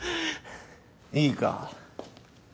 いいか？